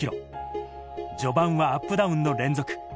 序盤はアップダウンの連続。